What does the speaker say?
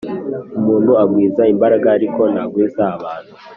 umuntu agwiza imbaraga ariko ntagwiza abantu